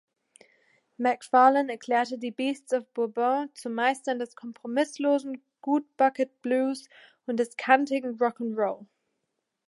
McFarlane erklärte die Beasts of Bourborn zu „Meistern des kompromisslosen Gutbucket-Blues und des kantigen Rock'n'Roll“.